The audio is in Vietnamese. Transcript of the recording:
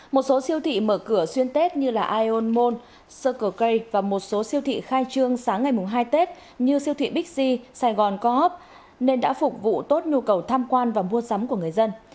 một số siêu thị mở cửa xuyên tết như là ion mall circle k và một số siêu thị khai trương sáng ngày mùng hai tết như siêu thị big c saigon co op nên đã phục vụ tốt nhu cầu tham quan và mua sắm của người dân